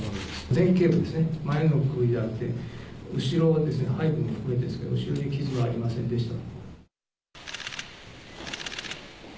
前けい部ですね、前の首であって、後ろの背後も含めてですけれども、後ろに傷はありませんでした。